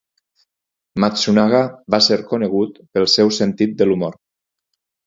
Matsunaga va ser conegut pel seu sentit de l'humor.